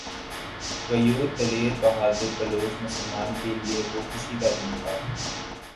غیور دلیر بہادر بلوچ مسلمان کے لیئے وہ خوشی کا دن تھا